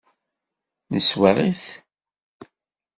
Neswaɣ-it.